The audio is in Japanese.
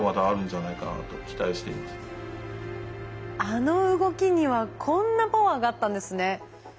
あの動きにはこんなパワーがあったんですね。